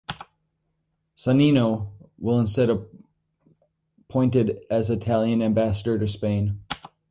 Sannino will instead appointed as Italian ambassador to Spain.